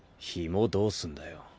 紐どうすんだよ。